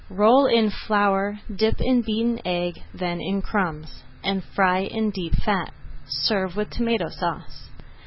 Roll in flour, dip in beaten egg, then in crumbs, and fry in deep fat. Serve with Tomato Sauce.